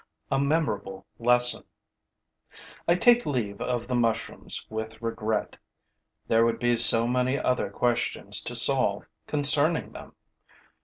A MEMORABLE LESSON I take leave of the mushrooms with regret: there would be so many other questions to solve concerning them!